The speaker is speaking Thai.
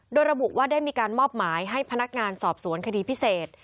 โดยระบุว่าได้มีการมอบหมายให้พนักงานสอบสวนคดีพิเศษ